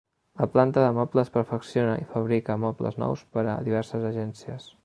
La planta de mobles perfecciona i fabrica mobles nous per a diverses agències.